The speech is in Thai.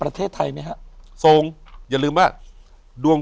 อยู่ที่แม่ศรีวิรัยิลครับ